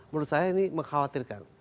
menurut saya ini mengkhawatirkan